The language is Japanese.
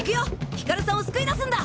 ヒカルさんを救い出すんだ！